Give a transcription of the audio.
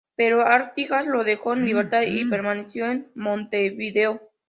Pero Artigas lo dejó en libertad, y permaneció en Montevideo.